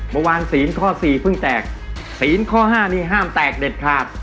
เมื่อวานศีลข้อสี่เพิ่งแตกศีลข้อห้านี้ห้ามแตกเด็ดขาด